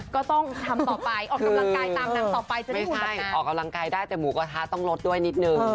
ก็ต้องออกกำลังกายตามนั้งต่อไปออกกำลังกายได้แต่หมูกระทะต้องลดด้วยนิดนึง